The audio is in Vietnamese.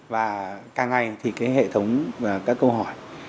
và càng ngày thì cái hệ thống và các câu hỏi